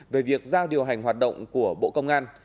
về việc giao điều hành hoạt động của bộ công an